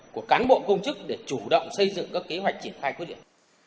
của cán bộ công chức để chủ động xây dựng các kế hoạch triển khai quyết liệt